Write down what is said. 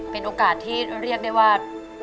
เป็นโอกาสที่เรียกได้ว่า